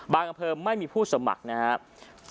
อำเภอไม่มีผู้สมัครนะครับ